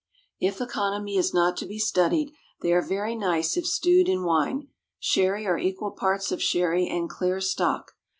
If economy is not to be studied, they are very nice if stewed in wine sherry, or equal parts of sherry and clear stock.